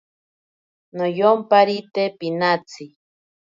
Noyomparite pinatsi.